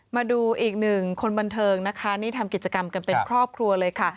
มาดูอีกหนึ่งคนบันเทิงนะคะนี่ทำกิจกรรมกันเป็นครอบครัวเลยค่ะ